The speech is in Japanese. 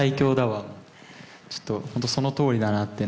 は、ちょっと本当、そのとおりだなって。